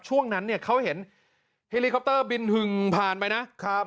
ช่วงนั้นเขาเห็นแฮลิคอปเตอร์บินผ่านไปนะ